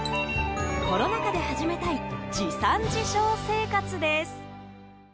コロナ禍で始めたい自産自消生活です。